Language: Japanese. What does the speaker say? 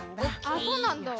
あっそうなんだ？